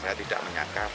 saya tidak menyakap